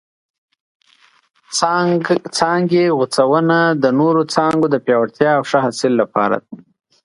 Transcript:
څانګې غوڅونه د نورو څانګو د پیاوړتیا او ښه حاصل لپاره ده.